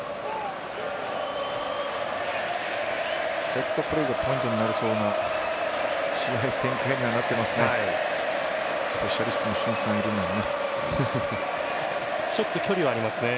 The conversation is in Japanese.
セットプレーがポイントになりそうな試合展開にはなっていますね。